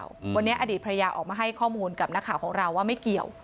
วันนี้อดีตภรรยาออกมาให้ข้อมูลกับนักข่าวของเราว่าไม่เกี่ยว